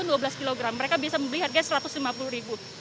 di beberapa agen lpg mereka rata rata berharga rp satu ratus lima puluh